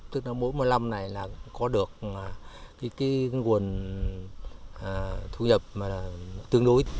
tức là mỗi mùa năm này là có được cái nguồn thu nhập tương đối